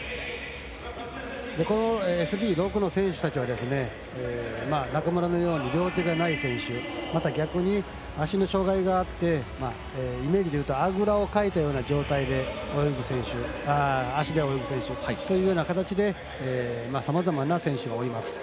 このＳＢ６の選手は中村のように両手がない選手また逆に、足の障がいがあってイメージで言うとあぐらをかいたような状態で足で泳ぐ選手というような形でさまざまな選手がおります。